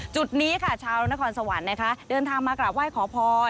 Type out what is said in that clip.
จุดนี้ค่ะชาวนครสวรรค์นะคะเดินทางมากราบไหว้ขอพร